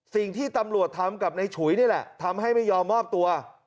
สิ่งที่ตำรวจทำกับในฉุยนี่แหละทำให้ไม่ยอมมอบตัว